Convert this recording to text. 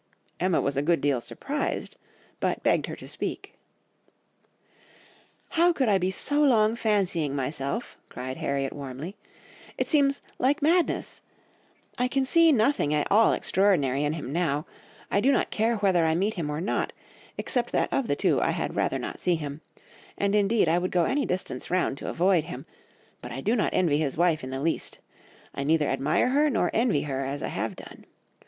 "Emma was a good deal surprised, but begged her to speak.... "'How could I be so long fancying myself—,' cried Harriet warmly. 'It seems like madness! I can see nothing at all extraordinary in him now, I do not care whether I meet him or not, except that of the two I had rather not see him; and indeed I would go any distance round to avoid him, but I do not envy his wife in the least; I neither admire her nor envy her as I have done.